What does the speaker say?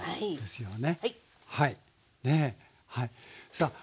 さあ